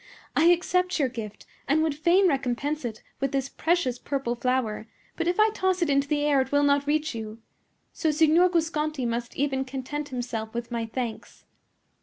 "I accept your gift, and would fain recompense it with this precious purple flower; but if I toss it into the air it will not reach you. So Signor Guasconti must even content himself with my thanks."